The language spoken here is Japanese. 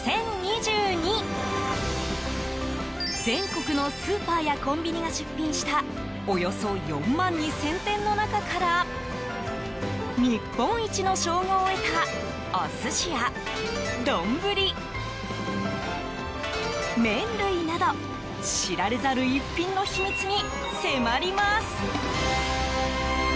全国のスーパーやコンビニが出品したおよそ４万２０００点の中から日本一の称号を得たお寿司や丼、麺類など知られざる逸品の秘密に迫ります。